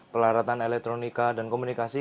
pelaratan elektronika dan komunikasi